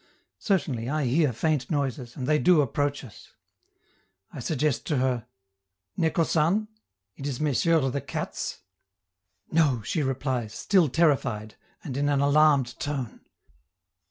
Certainly, I hear faint noises, and they do approach us. I suggest to her "Neko San?" ("It is Messieurs the cats?") "No!" she replies, still terrified, and in an alarmed tone.